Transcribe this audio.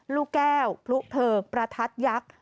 ลูกแก้วลูกเผลอประทัดยักษ์